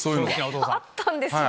あったんですね！